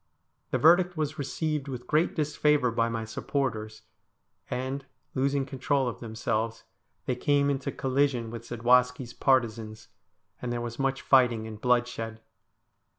The verdict was received with great disfavour by my supporters, and, losing control of themselves, they came into collision with Zadwaski's partisans, and there was much fighting and bloodshed.